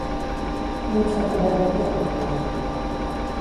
Quan es va poder dur a terme el pla?